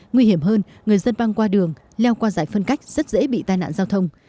nguy hiểm hơn người dân băng qua đường leo qua giải phân cách rất dễ bị tai nạn giao thông